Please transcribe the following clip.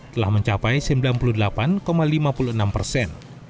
telah mencapai sembilan puluh delapan lima puluh enam persen